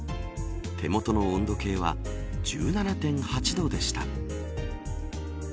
手元の温度計は１７．８度でした。